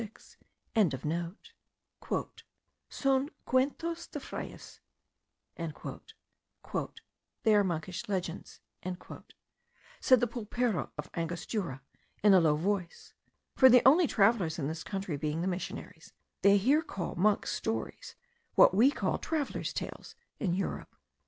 "Son cuentos de frailes," "they are monkish legends," said the pulpero of Angostura, in a low voice; for the only travellers in this country being the missionaries, they here call monks' stories, what we call travellers' tales, in Europe.